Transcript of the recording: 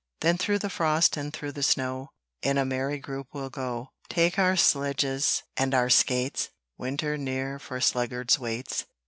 Then through the frost and through the snow, In a merry group we'll go, Take our sledges and our skates, Winter ne'er for sluggards waits.